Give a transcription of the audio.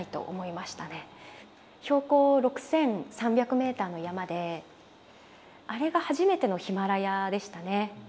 標高６３００ｍの山であれが初めてのヒマラヤでしたね。